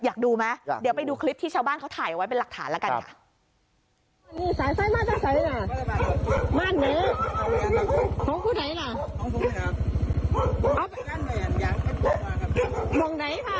อยากดูไหมเดี๋ยวไปดูคลิปที่ชาวบ้านเขาถ่ายเอาไว้เป็นหลักฐานแล้วกันค่ะ